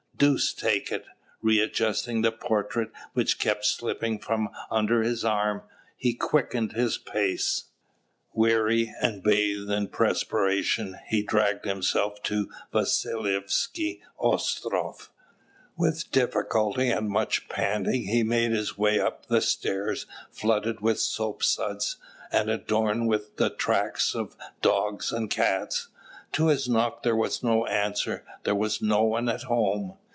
Deuce take it!" Re adjusting the portrait, which kept slipping from under his arm, he quickened his pace. Weary and bathed in perspiration, he dragged himself to Vasilievsky Ostroff. With difficulty and much panting he made his way up the stairs flooded with soap suds, and adorned with the tracks of dogs and cats. To his knock there was no answer: there was no one at home.